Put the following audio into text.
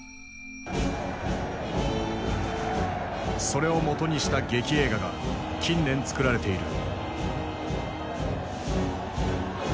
それをもとにした劇映画が近年作られている。